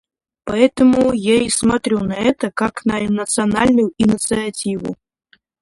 Поэтому я и смотрю на это как на национальную инициативу.